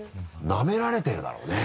なめられてるだろうね。